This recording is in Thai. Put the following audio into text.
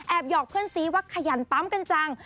หยอกเพื่อนซีว่าขยันปั๊มกันจัง